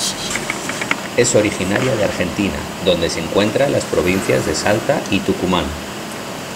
Es originaria de Argentina, donde se encuentra en las provincias de Salta y Tucumán.